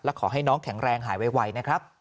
ขอให้น้องแข็งแรงหายไวนะครับ